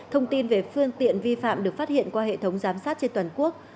thông tin về phương tiện vi phạm được phát hiện qua hệ thống giám sát trên toàn quốc